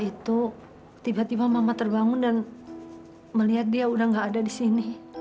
itu tiba tiba mama terbangun dan melihat dia udah gak ada di sini